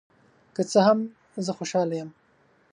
که څه هم، زه خوشحال یم.